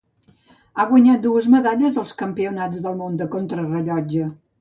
Ha guanyat dues medalles als Campionats del Món de contrarellotge.